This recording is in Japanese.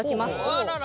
あらら。